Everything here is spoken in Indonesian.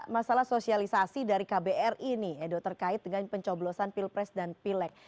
masalah sosialisasi dari kbr ini edo terkait dengan pencoblosan pilpres dan pilek